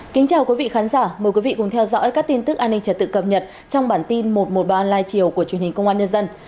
cảm ơn các bạn đã theo dõi và ủng hộ cho bản tin một trăm một mươi ba online chiều của truyền hình công an nhân dân